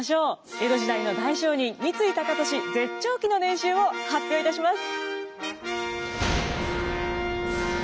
江戸時代の大商人三井高利絶頂期の年収を発表いたします！